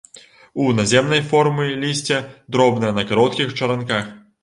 У наземнай формы лісце дробнае, на кароткіх чаранках.